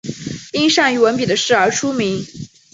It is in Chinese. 因善于文笔的事而出名。